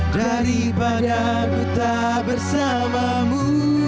daripada ku tak bersamamu